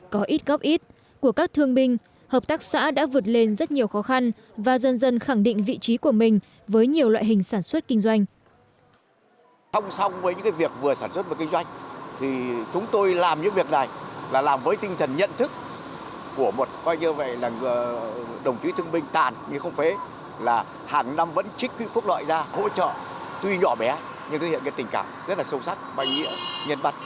có ít góp ít của các thương binh hợp tác xã đã vượt lên rất nhiều khó khăn và dần dần khẳng định vị trí của mình với nhiều loại hình sản xuất kinh doanh